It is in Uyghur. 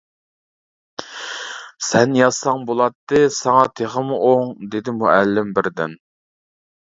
«سەن يازساڭ بولاتتى، ساڭا تېخىمۇ ئوڭ» دېدى مۇئەللىم بىردىن.